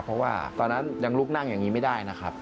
เพราะว่าตอนนั้นยังลุกนั่งอย่างนี้ไม่ได้นะครับ